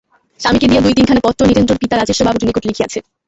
স্বামীকে দিয়া দুই-তিনখানা পত্র নীরেন্দ্রর পিতা রাজ্যেশ্বরবাবুর নিকট লিখিয়াছে।